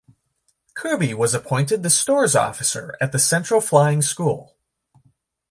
Kirby was appointed the Stores Officer at the Central Flying School.